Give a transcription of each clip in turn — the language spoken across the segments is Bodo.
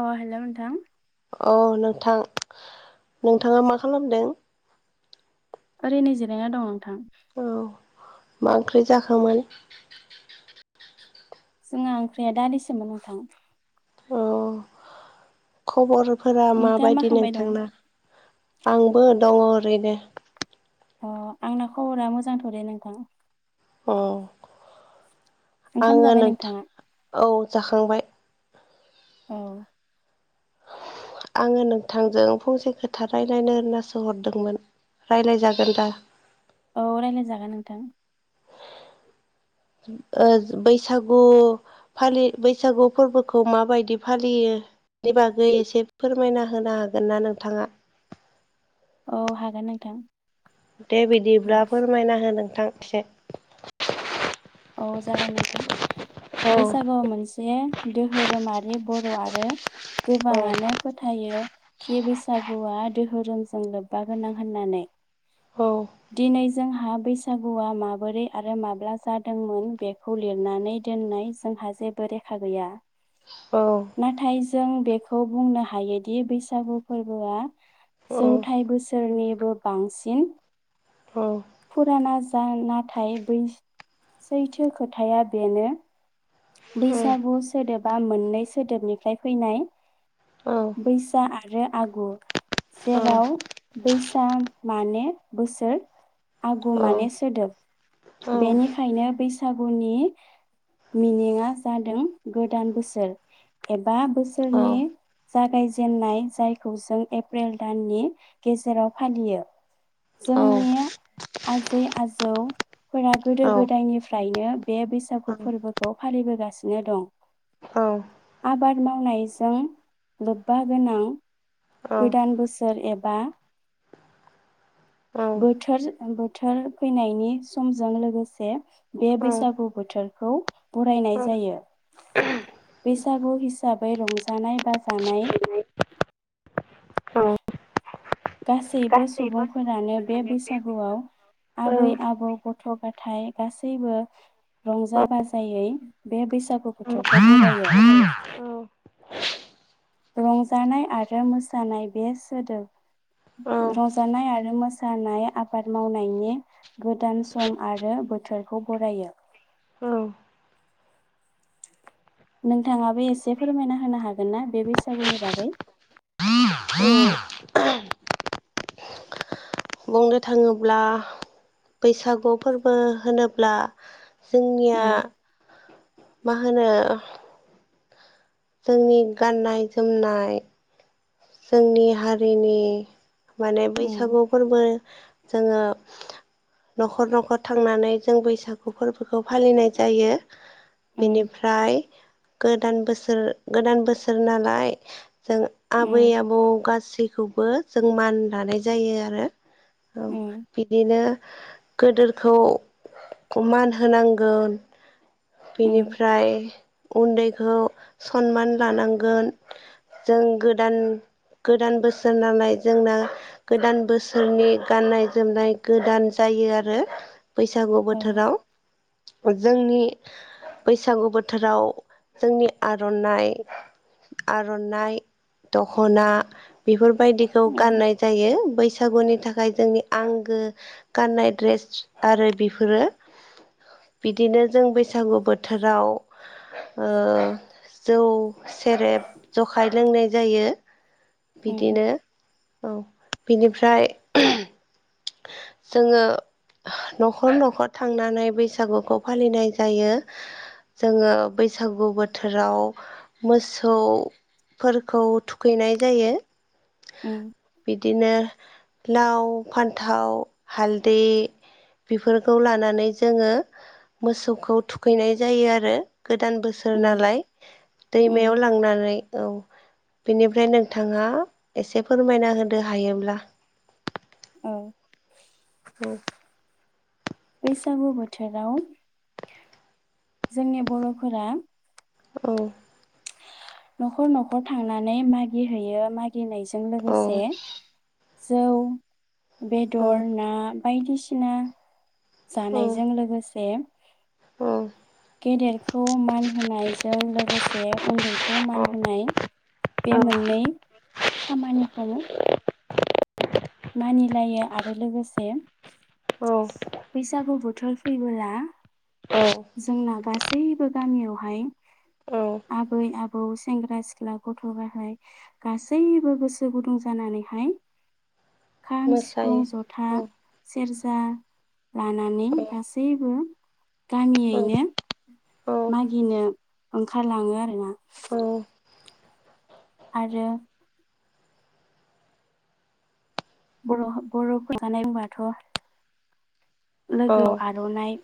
अ हेलौ नोंथां। औ नोंथां नोंथाङा मा खालामदों। ओरैनो जिरायना दं नोंथां। औ मा ओंख्रि जाखोमोन? जोंहा ओंख्रिया दालिसोमोन नोंथां। औ खबरफोरा नोंथाङा मा माबायदि खालामबाय दं नोंथांना आंबो दङ ओरैनो। अ आंना खबरा मोजांथ' दे नोंथां अ ओंखाम आङो जाबाय नोंथाङा नोंथां औ जाखांबाय। औ। आङो नोंथांजों फंसे खोथा रायलायनो होननासो हरदोंमोन। रायलायजागोन दा। औ रायलायजागोन नोंथां। ओ‌ बैसागु फालि बैसागु फोरबोखौ माबायदि फालियो। बेनि बागै एसे फोरमायना होनो हागोन ना नोंथाङा। औ हागोन नोंथां। दे बिदिब्ला फोरमायना हो नोंथां एसे। औ जागोन नोंथां औ बैसागुआव मोनसे दोहोरोमारि बर'आ आरो औ गोबाङानो फोथायो। खि बैसागुआ दोहोरोमजों लोब्बा गोनां होननानै। औ दिनै जों हा बैसागुआ माबोरै आरो माब्ला जा दोंमोन बेखौ लिरनानै दोननाय जोंहा जेबो रेखा गैया। नाथाय जों बेखौ बुंनो हायोदि बैसागु फोरबोआ जौथाय बोसोरनिबो बांसिन। फुराना जा नाथाय बै सैथो खोथाया बेनो। बैसागु सोदोबा मोननै सोदोबनिफ्राय फैनाय। बैसा आरो आगु। जेराव बैसाग माने बोसोर। आगु माने सोदोब बेनिखायनो बैसागुनि मिनिङा जादों गोदान बोसोर एबा बोसोरनि जागायजेननाय जायखौ जों एप्रिल दाननि गेजेराव फालियो। जोंनि आजै आजौ फोर गोदो गोदायनिफ्रायनो बे बैसागु फोरबोखौ फालिबोगासिनो दं। औ आबाद मावनायजों लोब्बा गोनां। गोदान बोसोर एब बा बोथोर बोथोर फैनायनि सि समजों लोगोसे बे बैसागु बोथोरखौ। बरायनाय जायो बैसागु हिसाबै रंजानाय बाजानाय औ गासैबो सुबुंफोरानो बे बैसागुआव आबै आबौ गथ गथ' गथाय गासैबो। रंजा बाजायै बे बैसागु बोथोरखौ बरायो। रंजानाय आरो मोसानाय बे सोदोब रंजानाय आरो मोसानाय आबाद मावनायनि गोदान सम आरो बोथोरखौ बरायो। औ नोंथाङाबो एसे फोरमायना होनो हागोन ना बे बैसागुनि बागै बुंनो थाङोब्ला बैसागु फोरबो होनोब्ला। जोंनिया उम मा होनो जोंनि गाननाय जोमनाय जोंनि हारिनि। माने उम बैसागु फोरबो जोङो न'खर न'खर थांनानै जों बैसागु फोरबोखौ फालिनाय जायो। उम बेनिफ्राय। गोदान बोसोर गोदान बोसोर नालाय जों आबै उम आबौ गासैखौबो जों मान दानाय जायो आरो। औ उम बिदिनो गोदोरखौ मान होनांगोन। उम बेनिफ्राय। उन्दैखौ सनमान लानांगोन जों गोदान गोदान बोसोर नालाय जोंना गोदान बोसोरनि गाननाय जोमनाय गोदान जायो। जायो आरो बैसागु औ बोथोराव जोंनि बैसागु बोथोराव जोंनि आर'नाइ आर'नाइ दख'ना बेफोरबायदिखौ गाननाय जायो बैसाग। बैसागुनि थाखाय जोंनि आंगो गाननाय द्रेस आरो बेफोरो। बिदिनो जों बैसागु बोथोराव ओ जौ सेरेब जखाय लोंनाय जायो उम बिदिनो औ बिनिफ्राय जोङो न'खर न'खर थांनानै बैसागुखौ फालिनाय जायो। जोङो बैसागु बोथोराव मोसौ। फोरखौ थुखैनाय जायो। उम बिदिनो लाव फान्थाव हालदै। बेफोरखौ लानानै जोङो मोसौखौ थुखैनाय जायो आरो। गोदान बोसोर उम नालाय दैमायाव उम लांनानै औ बेनिफ्राय नोंथाङा एसे फोरमायना होदो हायोब्ला औ औ बैसागु बोथोराव जोंनि बर'फोरा औ न'खर न'खर थांनानै मागिहैयो मागिनायजों औ लोगोसे जौ, औ बेदर, ना, बायदिसिना औ जानायजों लोगोसे औ गेदेरखौ मान होनायजों लोगोसे उन्दैखौ मान होनाय बे औ मोननै खामानिखौ [unintelligible] मानि लायो आरो लोगोसे औ बैसागु बो बोथोर फैबोला औ जोंना गासैबो गामियावहाय औ आबै आबौ सेंग्रा सिख्ला गथ' गाहाय गासैबो गोसो गुदुं जाना नैहाय [unintelligible] खाम, सिफुं, मोसायो जथा, औ सेरजा लानानै औ गासैबो औ गामियैनो औ मागिनो ओंखारलाङो आरो ना। औ आरो बर बर'खौ जानाय बाथ' औ लोगोआव आर'नाइ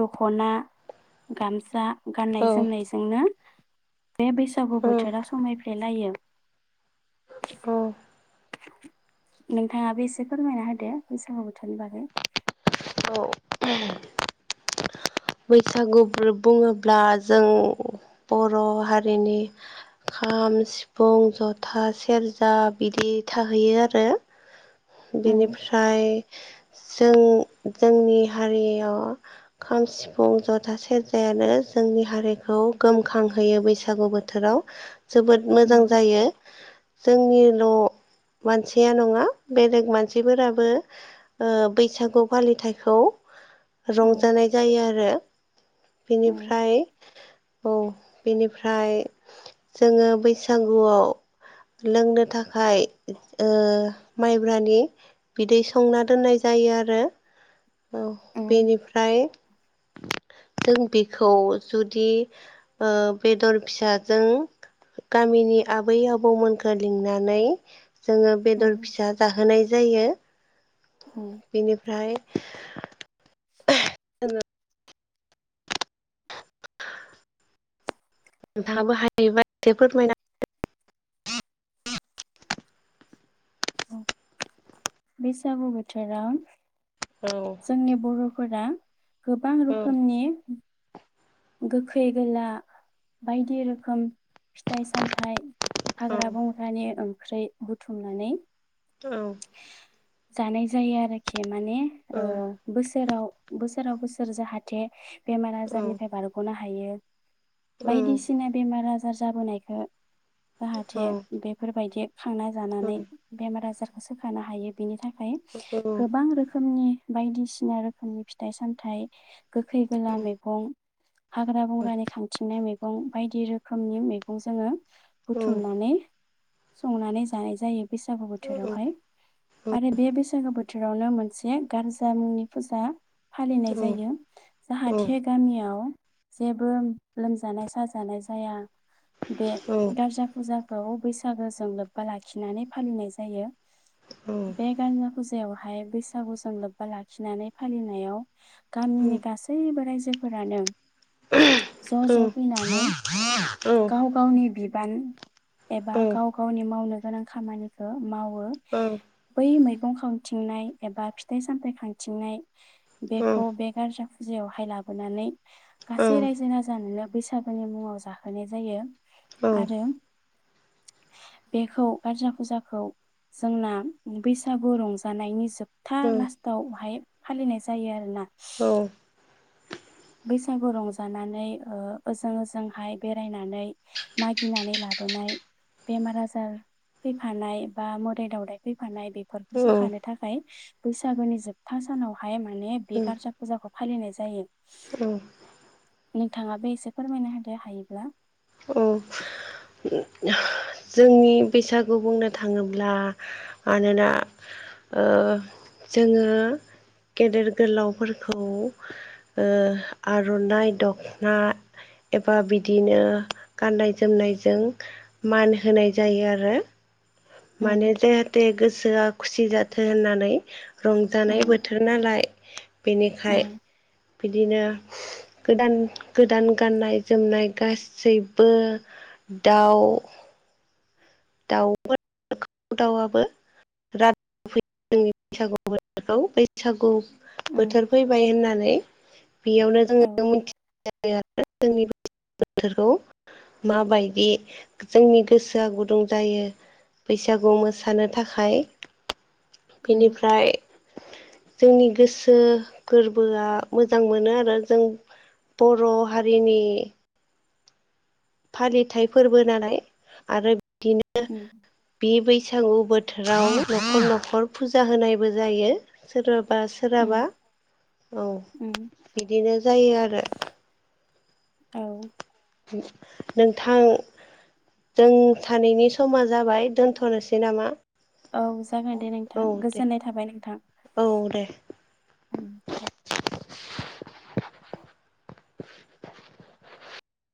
दख'ना गामसा औ गाननाय जोमनायजोंनो बे बैसागु औ बोथोरा समायफ्लेलायो। नोंथाङाबो एसे फोरमायना होदो बैसागु बोथोरनि बागै बैसागुफोर बुङोब्ला जों बर' हारिनि खाम, सिफुं, जथा, सेरजा बिदि थाहैयो आरो। उम बेनिफ्राय जों जोंनि हारियाव खाम सि फुं जथा, सेरजायानो जोंनि हारिखौ गोमखांहोयो बैसागु बोथोराव। जोबोद मोजां उम जायो जोंनिल' मानसिया नङा बेलेग मानसिफोराबो बैसागु फालिथायखौ रंजानाय जायो आरो उम बेनिफ्राय औ बेनिफ्राय जोङो बैसागुआव लोंनो थाखाय ओ माइब्रानि बिदै संना दोननाय जा यो आरो उम बेनिफ्राय जों बेखौ जुदि ओ बेदर फिसाजों गामिनि आबै आबौमोनख लिंनानै जोङो बेदर उम फिसा जाहोनाय जायो। उम बिनिफ्राय [inaudible] [unintelligible] नोंथांआबो हायोबा एसे फोरमायना होदो द [inaudible] [unintelligible] बेसागु बोथोराव औ जोंनि बर'फोरा गोबां औ रोखोमनि गोखै गोला बायदि रोखोम फिथाइ सामथाइ। औ हाग्रा बंग्रानि ओंख्रि बुथुमनानै। औ। जानाय जायो आरोखि माने औ बोसोराव बोसोराव बोसोर जाहाथे। बेमार औ आजारनिफ्राय बारग'नो हायो। बायदिसिना बेमार आजार जाबोनायखौ। औ जाहाथे औ बेफोरबायदि खांना जानानै बेमार आजार। सोखानो हायो बिनि थाखाय। औ। गोबां रोखोमनि बायदिसिना रोखोमनि फिथाइ सामथाइ गोखै गोला मैगं। हाग्रा बंग्रानि खांथिंनाय मैगं मैगं बायदि रोखोमनि मैगं जोङो औ बुथुमनानै। संनानै जानाय जायो बैसागु औ बोथोर। बेयावहाय आरो बे बैसागो बोथोरावनो मोनसे गारजा मुंनि फुजा। फालिनाय जायो। जाहाथे गामियाव जेबो लोमजानाय साजानाय जाया। बे गारजा फुजाखौ बैसागोजों लोब्बा लाखिनानै फालिनाय जायो। बे गारजा फुजायावहाय बैसागुजों लोब्बा लाखिनानै फालिनायाव। गामिनि गासैबो रायजोफोरानो ज' ज' फैनानै। गाव गावनि बिबान एबा गाव गावनि मावनो गोनां खामानिखौ। मावो बै मै। बिफं खांथिंनाय एबा फिथाइ सामथायाइ खांथिंनाय बेखौ बे गारजा फुजायावहाय ला। लाबोनानै गासै रायजो राजानोनो बैसागुनि मुङाव जाहोनाय जायो। आरो बेखौ गारजा फुजा। खौ जोंना बैसागु रंजानायनि जोबथा लास्टआवहाय। फालिनाय जायो आरोना। औ। बैसागु रंजानानै ओजों ओजोंहाय बेरायनानै मागिनानै लाबो। अनाय बेनार आजार फैफानाय बा मोदाइ दावदाइ फैफिननाय बेफ सोखानो थाखाय बैसागुनि जोबथा सानावहाय माने बे गारजा फुजाखौ फालिनाय जायो। नोंथाङा बे एसे फोरमायना होदो हायोब्ला। औ। जोंनि बैसागु बुंनो थाङोब्ला मानोना। ओ जोङो। गेदेर गोलावफोरखौ ओ आर'नाइ दख'ना। एबा बिदिनो। गाननाय जोमनायजों मान होनाय जायो आरो। माने उम जेहाथे गोसोआ खुसि जाथो होननानै। रंजानाय उम बोथोर नालाय। बेनिखाय उम बिदिनो। गोदान गोदान गाननाय जोमनाय गासैबबो दाउ [inaudible] दाउ फ दाउआबो बिराद जोंनि बैसागु बोथोरखौ बैसागु उम बोथोर फैबाय होननानै। बेयावनो औ जोङो मिथिनायायो आरो जोंनि बोथोरखौ। माबायदि जोंनि गोसोआ गुदुं जायो। बैसागु मोसानो थाखाय उम बेनिफ्राय। जोंनि गोसो गोरबोआ मोजां मोनो आरो जों। बर' हारिनि। फालिथाइ फोरबो दानाय आरो बिदिनो उम बे बैसो बैसागु बोथोराव न'खर न'खर फुजा होनायबो जायो सोरब बा उम सोरहाबा औ उम बिदिनो जायो आरो । औ । नोंथां दोंथानैनि समा जाबाय दोनथ'नोसै नामा? औ जागोन दे नोंथां औ दे गोजोननाय थाबाय नोंथां औ दे । दे ।